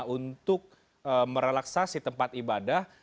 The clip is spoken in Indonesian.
untuk merelaksasi tempat ibadah